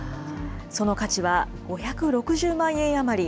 その価値は５６０万円余り。